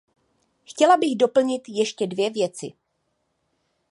Chtěla bych doplnit ještě dvě věci.